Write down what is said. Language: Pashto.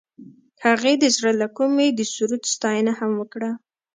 هغې د زړه له کومې د سرود ستاینه هم وکړه.